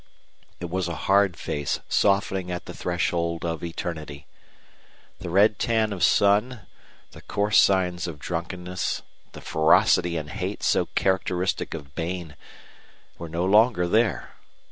It was a hard face softening at the threshold of eternity. The red tan of sun, the coarse signs of drunkenness, the ferocity and hate so characteristic of Bain were no longer there.